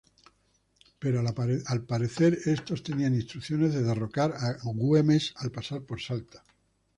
Pero, al parecer, estos tenían instrucciones de derrocar a Güemes al pasar por Salta.